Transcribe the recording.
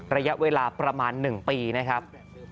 ระยะเวลาประมาณ๑ปีนะครับ